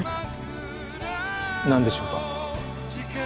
なんでしょうか？